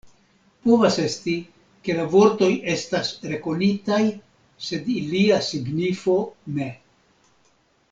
Povas esti, ke la vortoj estas rekonitaj, sed ilia signifo ne.